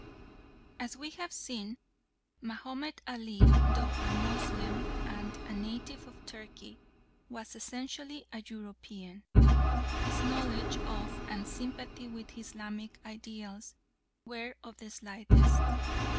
As we have seen, Mahomed Ali, though a Moslem and a native of Turkey, was essentially a European. His knowledge of and sympathy with Islamic ideals were of the slightest.